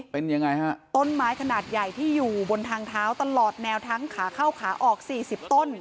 เป็นยังไงฮะต้นไม้ขนาดใหญ่ที่อยู่บนทางเท้าตลอดแนวทั้งขาเข้าขาออกสี่สิบต้น